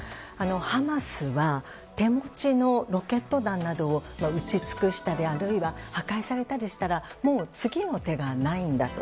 ハマスは手持ちのロケット弾などを撃ち尽くしたあるいは、破壊されたりしたらもう次の手がないんだと。